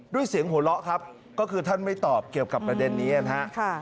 ด้วยเสียงหัวเราะครับก็คือท่านไม่ตอบเกี่ยวกับประเด็นนี้นะครับ